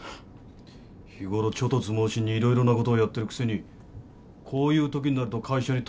日ごろ猪突猛進にいろいろなことをやっているくせにこういうときになると会社に助けを求めるのか？